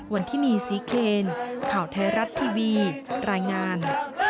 วันที่นี่ศรีเคนข่าวไทยรัฐทีวีรายงาน